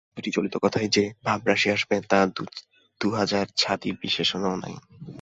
দুটো চলিত কথায় যে ভাবরাশি আসবে, তা দু-হাজার ছাঁদি বিশেষণেও নাই।